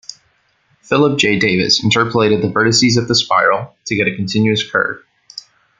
Philip J. Davis interpolated the vertices of the spiral to get a continuous curve.